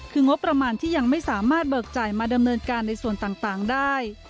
คืองบประมาณที่ยังไม่สามารถเบิกจ่ายมาดำเนินการในส่วนต่างได้